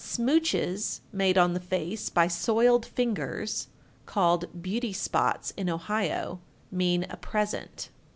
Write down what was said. "Smooches" made on the face by soiled fingers (called beauty spots in Ohio) mean a present.